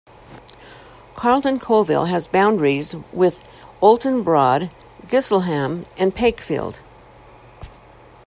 Carlton Colville has boundaries with Oulton Broad, Gisleham and Pakefield.